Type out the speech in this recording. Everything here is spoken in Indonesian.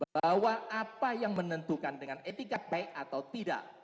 bahwa apa yang menentukan dengan etikat baik atau tidak